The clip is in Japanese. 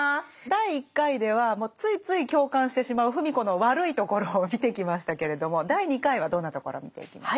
第１回ではついつい共感してしまう芙美子の悪いところを見てきましたけれども第２回はどんなところを見ていきますか？